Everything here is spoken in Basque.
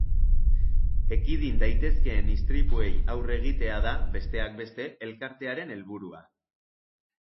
Ekidin daitezkeen istripuei aurre egitea da, besteak beste, elkartearen helburua.